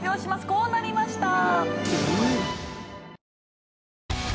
こうなりました。